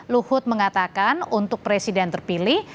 luhut mengatakan untuk presiden terpilih